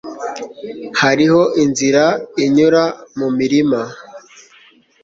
Hariho inzira inyura mumirima.